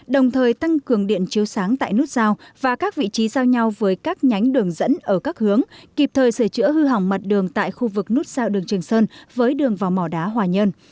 đồng thời tăng cường điện chiếu sáng tại nút giao và các vị trí giao nhau với các nhánh đường dẫn ở các hướng kịp thời sửa chữa hư hỏng mặt đường tại khu vực nút sao đường trường sơn với đường vào mỏ đá hòa nhơn